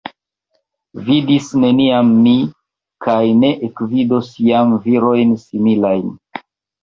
Vidis neniam mi kaj ne ekvidos jam virojn similajn.